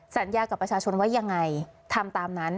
สัญญากับประชาชนว่ายังไงทำตามนั้น